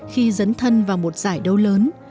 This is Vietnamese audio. khi dấn thân vào một giải đấu lớn